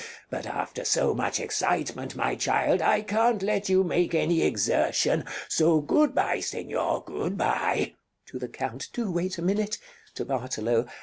But after so much excitement, my child, I can't let you make any exertion. So good bye, Señor, good bye. Rosina [to the Count] Do wait a minute! [To Bartolo.